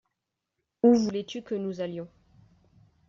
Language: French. Où voulais-tu que nous allions ?